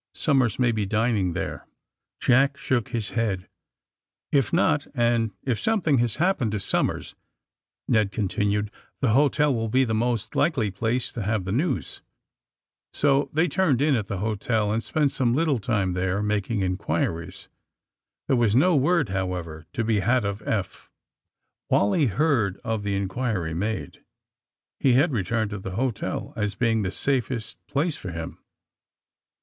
Somers may be dining there." Jack shook his head. *^Ii not, and if something has happened to Somers," Ned continued, ^Hhe hotel will be the most likely place to have the news." So they turned in at the hotel and spent som© little time there making inquiries. There was no word, however, to be had of Eph. Wally heard of the inquiry made. He had returned to the hotel as being the safest place for him.